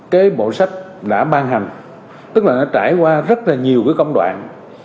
cái bộ sách đã ban hành tức là nó trải qua rất là nhiều cái công đoạn